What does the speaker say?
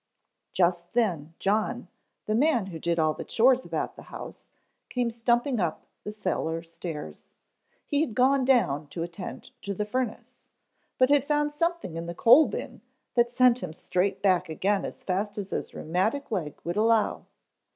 Just then John, the man who did all the chores about the house, came stumping up the cellar stairs. He had gone down to attend to the furnace, but had found something in the coal bin that sent him straight back again as fast as his rheumatic leg would allow.